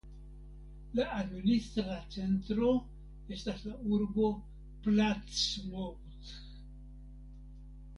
La administra centro estas la urbo Plattsmouth.